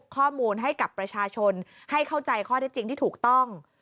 ข้อมูลให้กับประชาชนให้เข้าใจข้อได้จริงที่ถูกต้อง